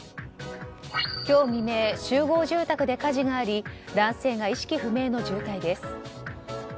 今日未明集合住宅で火事があり男性が意識不明の重体です。